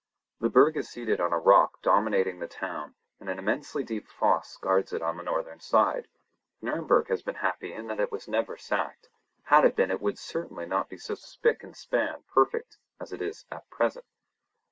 The Burg is seated on a rock dominating the town and an immensely deep fosse guards it on the northern side. Nurnberg has been happy in that it was never sacked; had it been it would certainly not be so spick and span perfect as it is at present.